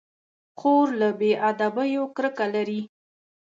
خور له بې ادبيو کرکه لري.